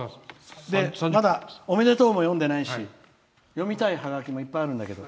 まだ、おめでとうも読んでないし読みたいハガキもいっぱいあるんだけど。